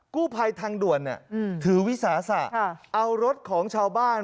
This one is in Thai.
กู้ภัยทางด่วนถือวิสาสะเอารถของชาวบ้าน